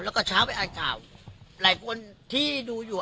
แล้วก็เช้าไปอ่านข่าวหลายคนที่ดูอยู่